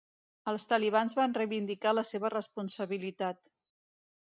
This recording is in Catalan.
Els talibans van reivindicar la seva responsabilitat.